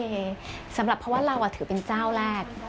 เพราะว่าเราถือเป็นเจ้าแรก